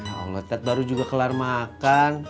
oh ngetet baru juga kelar makan